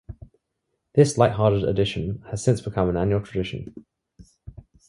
This lighthearted edition has since become an annual tradition.